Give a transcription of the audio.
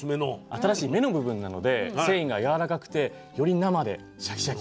新しい芽の部分なので繊維がやわらかくてより生でシャキシャキを楽しめると。